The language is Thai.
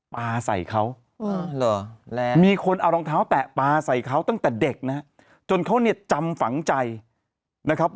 ปลาใส่เขามีคนเอารองเท้าแตะปลาใส่เขาตั้งแต่เด็กนะฮะจนเขาเนี่ยจำฝังใจนะครับ